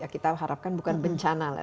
kita harapkan bukan bencana lah